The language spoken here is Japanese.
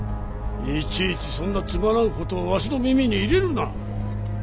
いちいちそんなつまらんことをわしの耳に入れるな。